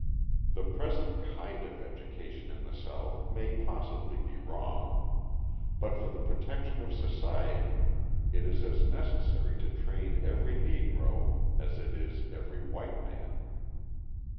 The present kind of education in the South may possibly be wrong; but for the protection of society it is as necessary to train every Negro as it is every white man.